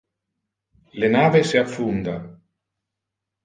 Le nave se affunda.